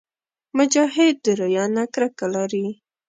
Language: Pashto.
مجاهد د ریا نه کرکه لري.